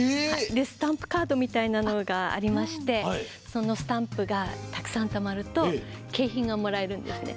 スタンプカードみたいなのがありましてそのスタンプがたくさんたまると景品がもらえるんですね。